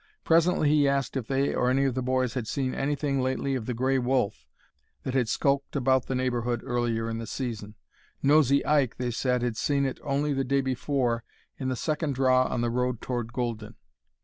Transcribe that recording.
Presently he asked if they or any of the boys had seen anything lately of the gray wolf that had skulked about the neighborhood earlier in the season. Nosey Ike, they said, had seen it only the day before in the second draw on the road toward Golden.